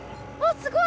すごい！